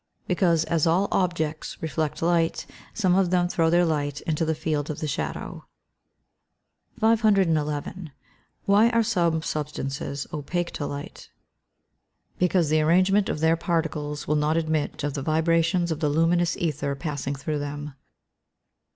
_ Because, as all objects reflect light, some of them throw their light into the field of the shadow. 511. Why are some substances opaque to light? Because the arrangement of their particles will not admit of the vibrations of the luminous ether passing through them.